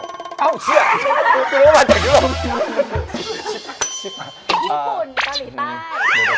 เดี๋ยวก่อนนึงมาย